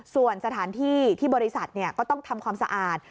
ส่วนสถานที่ที่บริษัทก็ต้องทำความสะอาด